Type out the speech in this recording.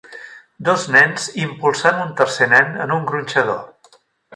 Dos nens impulsant un tercer nen en un gronxador.